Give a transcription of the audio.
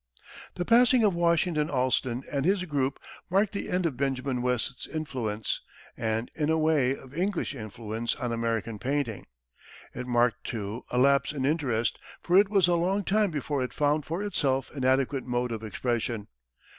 The passing of Washington Allston and his group marked the end of Benjamin West's influence, and, in a way, of English influence, on American painting. It marked, too, a lapse in interest, for it was a long time before it found for itself an adequate mode of expression.